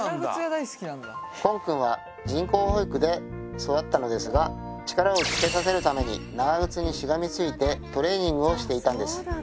コンくんは人工保育で育ったのですが力をつけさせるために長靴にしがみついてトレーニングをしていたんです